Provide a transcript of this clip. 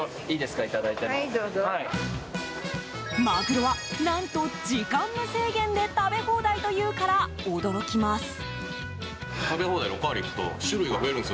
マグロは何と、時間無制限で食べ放題というから驚きます。